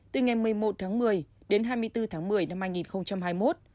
từ ngày một mươi một tháng một mươi đến hai mươi bốn tháng một mươi năm hai nghìn hai mươi một